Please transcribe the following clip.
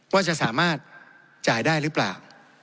ว่าจะสามารถจ่ายได้หรือเปล่า